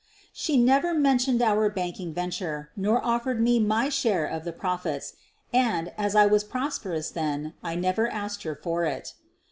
She never mentioned our banking venture nor offered me my share of the profits, and, as I was prosperous then, I never asked her for it.